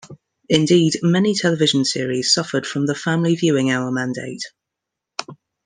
Indeed, many television series suffered from the Family Viewing Hour mandate.